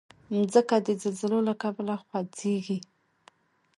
مځکه د زلزلو له کبله خوځېږي.